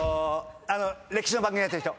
あの歴史の番組やってる人。